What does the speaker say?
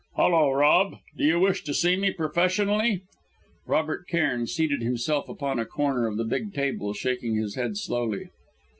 "Hullo, Rob! Do you wish to see me professionally?" Robert Cairn seated himself upon a corner of the big table, shaking his head slowly.